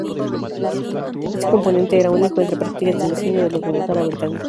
Este componente era único entre prácticas de diseño de locomotora británicas.